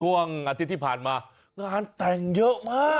ช่วงอาทิตย์ที่ผ่านมางานแต่งเยอะมาก